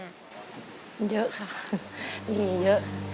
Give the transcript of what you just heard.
เยอะค่ะมีเยอะ